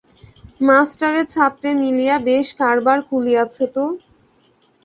মাস্টারে ছাত্রে মিলিয়া বেশ কারবার খুলিয়াছ তো।